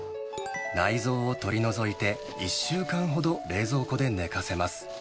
内臓を取り除いて、１週間ほど、冷蔵庫で寝かせます。